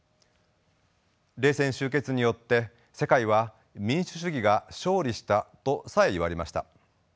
冷戦終結によって世界は民主主義が勝利したとさえいわれました。